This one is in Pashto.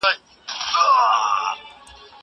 زه به سبا کتابتون ته ځم!